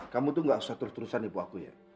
kamu tuh gak usah terus terusan ibu aku ya